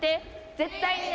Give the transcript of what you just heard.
絶対にね。